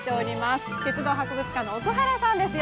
鉄道博物館の奥原さんです。